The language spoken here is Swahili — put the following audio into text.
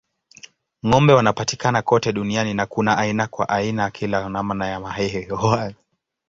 Ng'ombe wanapatikana kote duniani na kuna aina kwa kila namna ya hali ya hewa.